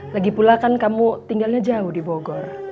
lagipula kan kamu tinggalnya jauh di bogor